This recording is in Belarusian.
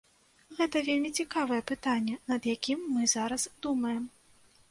Гэта вельмі цікавае пытанне, над якім мы зараз думаем.